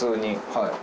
はい。